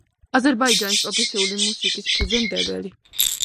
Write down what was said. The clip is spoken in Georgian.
აზერბაიჯანის პროფესიული მუსიკის ფუძემდებელი.